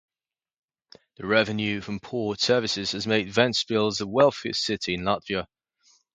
The revenue from port services has made Ventspils the wealthiest city in Latvia.